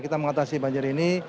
kita mengatasi banjir ini